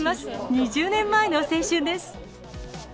２０年前の青春です。